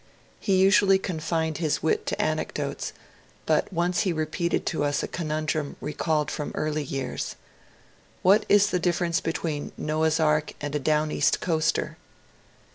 He usually confined his wit to anecdotes, but once he repeated to us a conundrum recalled from early years :*' What is the difference between Noah's Ark and a down east coaster?